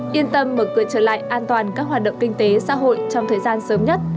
yên tâm mở cửa trở lại an toàn các hoạt động kinh tế xã hội trong thời gian sớm nhất